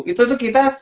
itu tuh kita